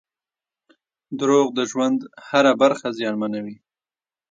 • دروغ د ژوند هره برخه زیانمنوي.